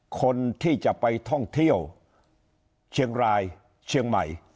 คนที่จะไปท่องเที่ยวเชียงรายเชียงใหม่